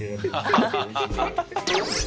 ハハハハ！